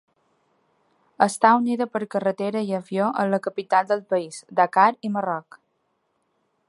Està unida per carretera i avió amb la capital del país, Dakar i Marroc.